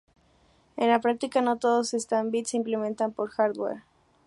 En la práctica no todos esos bits se implementan por hardware.